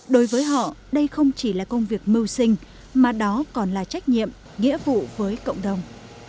đối với họ đây không chỉ là công việc mưu sinh mà đó còn là trách nhiệm nghĩa vụ với cộng đồng